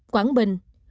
một quảng bình